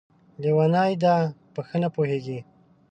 لېونۍ ده ، په ښه نه پوهېږي!